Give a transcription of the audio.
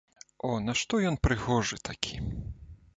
О, нашто ён прыгожы такі!